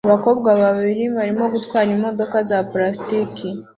Abakobwa babiri barimo gutwara imodoka za plastiki